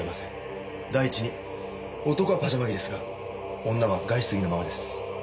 第一に男はパジャマ着ですが女は外出着のままです。